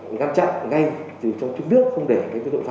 ngăn chặn ngay trong chức nước không để những tội phạm